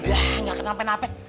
udah gak kenapain nafek